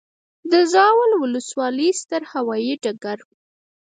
د زاول وسلوالی ستر هوایي ډګر